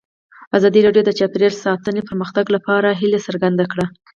ازادي راډیو د چاپیریال ساتنه د پرمختګ په اړه هیله څرګنده کړې.